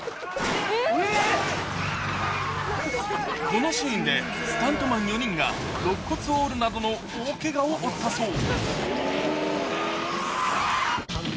このシーンでスタントマン４人がろっ骨を折るなどの大けがを負ったそう。